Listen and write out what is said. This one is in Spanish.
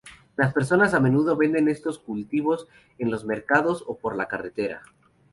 Las personas a menudo venden estos cultivos en los mercados, o por la carretera.